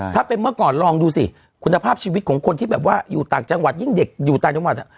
ถ้าเป็นเมื่อก่อนลองดูสิคุณภาพชีวิตของคนที่แบบว่าอยู่ต่างจังหวัดยิ่งเด็กอยู่ต่างจังหวัด